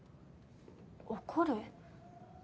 怒る？